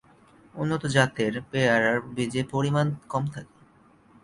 উন্নত জাতের পেয়ারায় বীজের পরিমাণ কম থাকে।